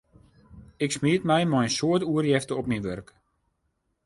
Ik smiet my mei in soad oerjefte op myn wurk.